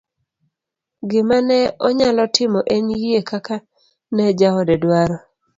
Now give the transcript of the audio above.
gima ne onyalo timo en yie kaka ne jaode dwaro